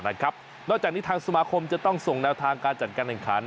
นอกจากนี้ทางสมาคมจะต้องส่งแนวทางการจัดการแข่งขัน